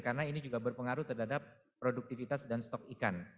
karena ini juga berpengaruh terhadap produktivitas dan stok ikan